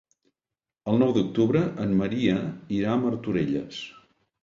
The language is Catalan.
El nou d'octubre en Maria irà a Martorelles.